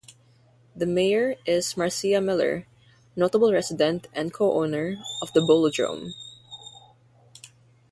The mayor is Marcia Miller, notable resident and co-owner of the Bowl-o-drome.